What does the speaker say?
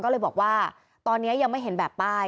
ก็เลยบอกว่าตอนนี้ยังไม่เห็นแบบป้าย